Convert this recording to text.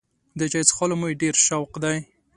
د چای څښلو مې ډېر شوق دی.